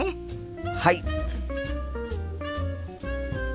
はい！